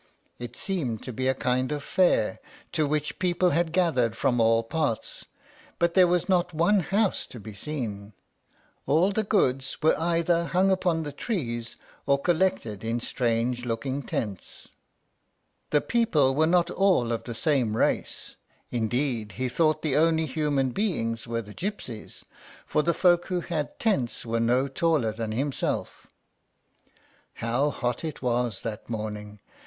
It seemed to be a kind of fair, to which people had gathered from all parts; but there was not one house to be seen. All the goods were either hung upon trees or collected in strange looking tents. The people were not all of the same race; indeed, he thought the only human beings were the gypsies, for the folks who had tents were no taller than himself. How hot it was that morning!